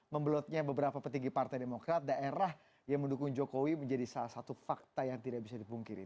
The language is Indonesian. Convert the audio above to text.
membelotnya beberapa petinggi partai demokrat daerah yang mendukung jokowi menjadi salah satu fakta yang tidak bisa dipungkiri